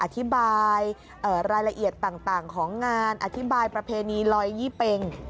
อธิบายรายละเอียดต่างของงานอธิบายประเพณีลอยยี่เป็ง